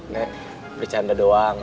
nek bercanda doang